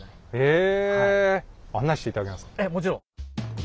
ええもちろん。